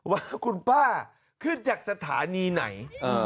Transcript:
ว่าคุณป้าขึ้นจากสถานีไหน